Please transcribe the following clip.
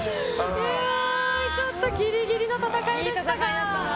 ちょっとギリギリの戦いでしたが。